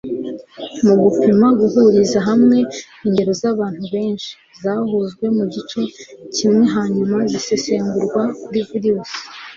Mu gupima guhuriza hamwe ingero z'abantu benshi zahujwe mugice kimwe hanyuma zisesengurwa kuri virusi